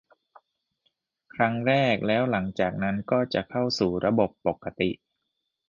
ครั้งแรก แล้วหลังจากนั้นก็จะเข้าสู่ระบบปกติ